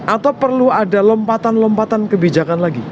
atau perlu ada lompatan lompatan kebijakan lagi